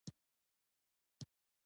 هندوکش د طبیعت د ښکلا برخه ده.